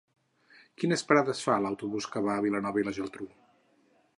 Quines parades fa l'autobús que va a Vilanova i la Geltrú?